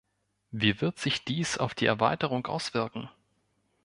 Wie wird sich dies auf die Erweiterung auswirken?